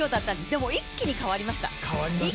でも、一気に変わりました。